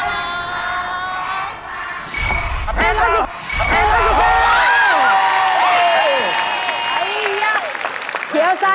แรงกว่า